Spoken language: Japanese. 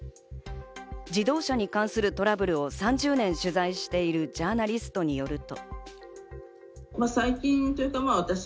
自動車に関するトラブルを３０年取材しているジャーナリストによると。